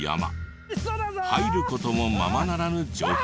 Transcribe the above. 入る事もままならぬ状態。